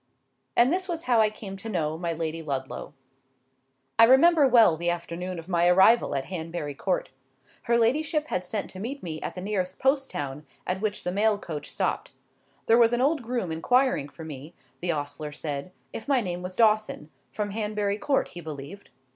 And this was how I came to know my Lady Ludlow. I remember well the afternoon of my arrival at Hanbury Court. Her ladyship had sent to meet me at the nearest post town at which the mail coach stopped. There was an old groom inquiring for me, the ostler said, if my name was Dawson—from Hanbury Court, he believed.